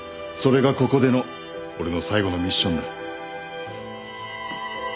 それがここでの俺の最後のミッションだ。